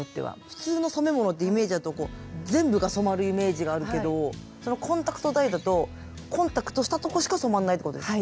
普通の染め物ってイメージだと全部が染まるイメージがあるけどコンタクトダイだとコンタクトしたとこしか染まんないってことですか？